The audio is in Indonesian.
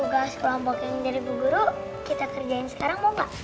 tugas kelompok yang jadi guru guru kita kerjain sekarang mau gak